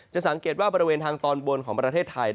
สังเกตว่าบริเวณทางตอนบนของประเทศไทย